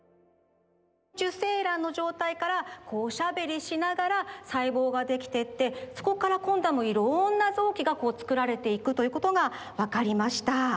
受精卵のじょうたいからおしゃべりしながらさいぼうができてってそこからこんどはいろんなぞうきがつくられていくということがわかりました。